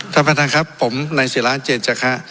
ท่านประธานครับผมนายศิราเจนจคะ